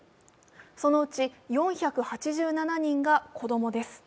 そのうち４８７人が子供です。